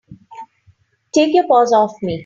Take your paws off me!